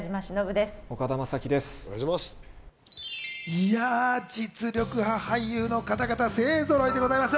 いや、実力派俳優の方々、勢ぞろいでございます。